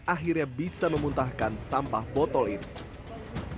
akhirnya bisa memuntahkan sampah botol ini